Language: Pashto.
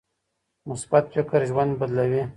مثبت فکر ژوند بدلوي.